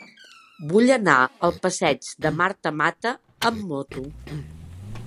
Vull anar al passeig de Marta Mata amb moto.